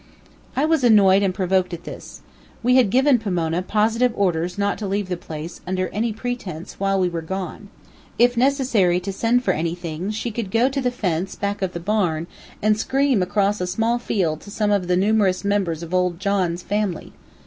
I was annoyed and provoked at this. We had given Pomona positive orders not to leave the place, under any pretense, while we were gone. If necessary to send for anything, she could go to the fence, back of the barn, and scream across a small field to some of the numerous members of old John's family.